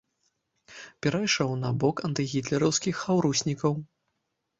Перайшоў на бок антыгітлераўскіх хаўруснікаў.